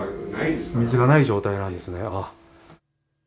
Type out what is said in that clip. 水がない状態なんですね。